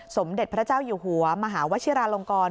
สมเด็จพระเจ้าอยู่หัวมหาวชิราลงกร